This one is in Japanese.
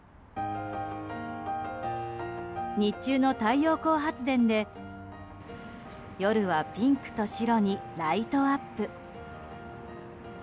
日中の太陽光発電で夜はピンクと白にライトアップ。